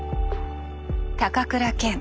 高倉健。